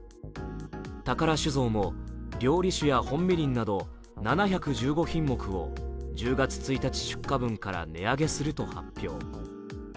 宝酒造も料理酒や本みりんなど７１５品目を１０月１日出荷分から値上げすると発表。